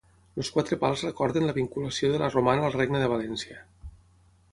Els quatre pals recorden la vinculació de la Romana al Regne de València.